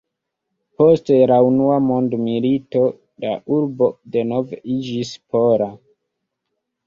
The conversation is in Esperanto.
Post la Unua Mondmilito la urbo denove iĝis pola.